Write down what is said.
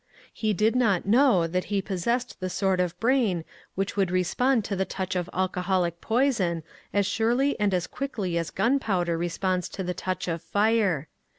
He did not know that he possessed the sort of brain which would respond to the touch of alcoholic poison as surely and as quickly as gunpowder responds to the touch of fire.